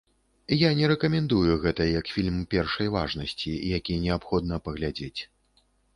Я не рэкамендую гэта як фільм першай важнасці, які неабходна паглядзець.